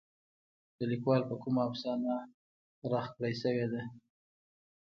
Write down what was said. د ليکوال په کومه افسانه رغ کړے شوې ده.